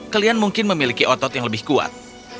kalian mungkin memiliki otot yang lebih kuat